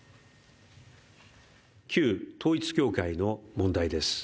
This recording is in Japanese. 旧統一教会の問題です。